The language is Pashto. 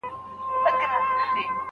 زده کړې ښځې د ستونزو حل ته عملي لارې مومي.